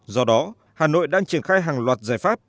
do đó hà nội đang triển khai hàng loạt giải pháp